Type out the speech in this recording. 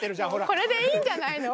これでいいんじゃないの。